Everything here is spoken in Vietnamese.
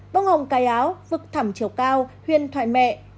bông hồng cài áo vực thẳm chiều cao huyên thoại mẹ